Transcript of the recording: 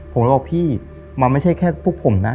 ผมเลยบอกพี่มันไม่ใช่แค่พวกผมนะ